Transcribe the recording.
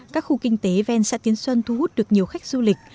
các khu kinh tế ven xã tiến xuân thu hút được nhiều khách du lịch